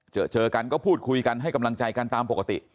เจอเจอกันก็พูดคุยกันให้กำลังใจกันตามปกติ